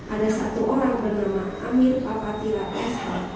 ada satu orang bernama amir papatira esha